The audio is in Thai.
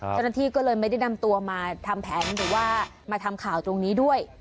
เจ้าหน้าที่ก็เลยไม่ได้นำตัวมาทำแผนหรือว่ามาทำข่าวตรงนี้ด้วย